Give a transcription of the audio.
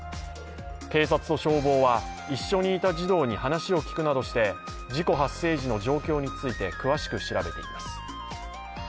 警察と消防は一緒にいた児童に話を聞くなどして、事故発生時の状況について詳しく調べています。